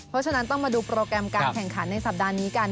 เพราะฉะนั้นต้องมาดูโปรแกรมการแข่งขันในสัปดาห์นี้กัน